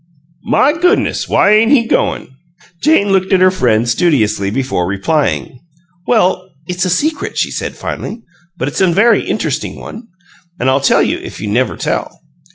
"My goo'ness! Why ain' he goin'?" Jane looked at her friend studiously before replying. "Well, it's a secret," she said, finally, "but it's a very inter'sting one, an' I'll tell you if you never tell."